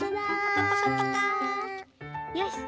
よし！